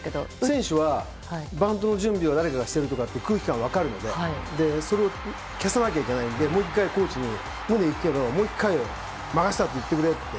選手はバントの準備を誰かがしてると空気感が分かるのでそれを消さなきゃいけないのでもう１回、コーチにムネで行くけど行くぞ！って言ってくれと。